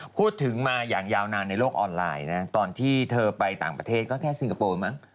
พูดถึงมาอย่างยาวนานในโลกออนไลน์นะตอนที่เธอไปต่างประเทศก็แค่ซิงคโปร์มั้ง